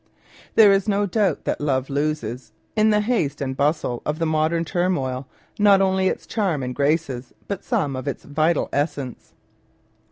There is no doubt that Love loses, in the haste and bustle of the modern turmoil, not only its charm and graces, but some of its vital essence.